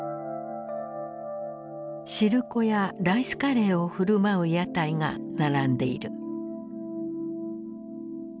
汁粉やライスカレーを振る舞う屋台が並んでいる。